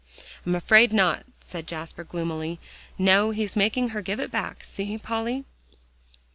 "I'm afraid not," said Jasper gloomily. "No; he's making her give it back; see, Polly."